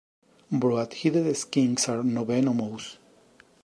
Broad-headed skinks are nonvenomous.